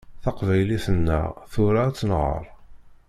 Taqbaylit-nneɣ, tura ad tt-nɣeṛ.